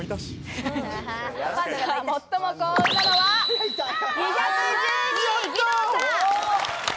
最も幸運なのは２１２位、義堂さん。